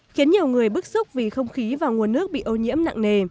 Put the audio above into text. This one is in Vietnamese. khiến nhiều người bức xúc vì không khí và nguồn nước bị ô nhiễm nặng nề